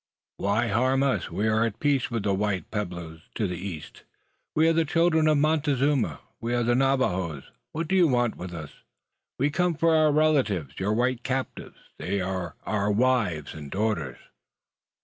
"Why harm us? We are at peace with the white pueblos to the east. We are the children of Montezuma; we are Navajoes. What want you with us?" "We come for our relatives, your white captives. They are our wives and daughters."